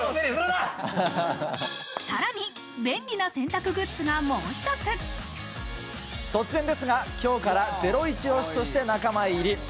さらに便利な洗濯グッズがも突然ですが、今日からゼロイチ推しとして仲間入り。